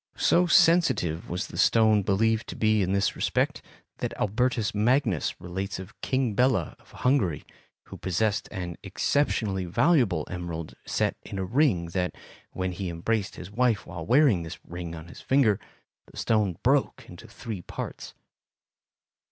So sensitive was the stone believed to be in this respect that Albertus Magnus relates of King Bela of Hungary, who possessed an exceptionally valuable emerald set in a ring, that, when he embraced his wife while wearing this ring on his finger, the stone broke into three parts.